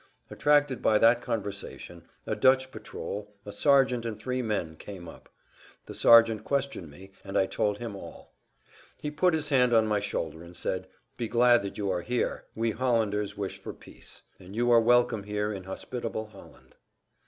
Attracted by that conversation, a Dutch patrol, a sergeant and three men, came up. The sergeant questioned me, and I told him all. He put his hand on my shoulder and said, "Be glad that you are here—wij Hollanders weuschen de vrede (we Hollanders wish for peace), and you are welcome here in hospitable Holland."